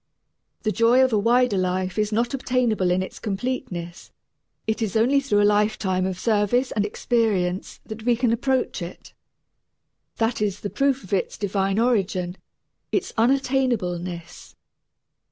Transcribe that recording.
The joy of a wider life is not obtainable in its completeness; it is only through a lifetime of service and experience that we can approach it. That is the proof of its divine origin its unattainableness.